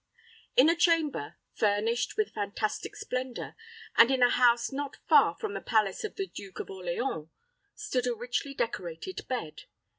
In a chamber, furnished with fantastic splendor, and in a house not far from the palace of the Duke of Orleans, stood a richly decorated bed.